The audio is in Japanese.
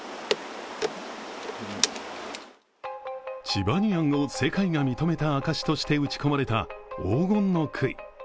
チバニアンを世界が認めた証しとして打ち込まれた黄金の杭。